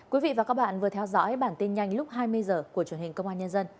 quý vị và các bạn vừa theo dõi bản tin nhanh lúc hai mươi h của truyền hình công an nhân dân